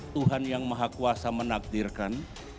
tuhan yang maha kuasa menakdirkan